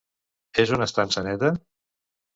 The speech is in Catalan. És una estança neta?